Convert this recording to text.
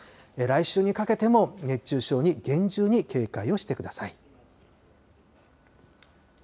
来週にかけても熱中症に厳重に警戒をしてください。